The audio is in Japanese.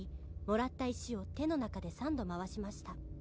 「もらった石を手の中で３度回しました」